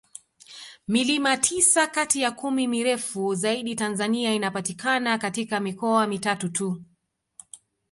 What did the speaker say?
Milima tisa kati ya kumi mirefu zaidi Tanzania inapatikana katika mikoa mitatu tu